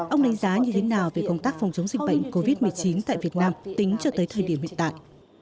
ông đánh giá như thế nào về công tác phòng chống dịch bệnh covid một mươi chín tại việt nam tính cho tới thời điểm hiện tại